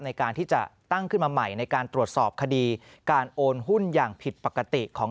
ในการที่จะตั้งขึ้นมาใหม่ในการตรวจสอบคดีการโอนหุ้นอย่างผิดปกติของ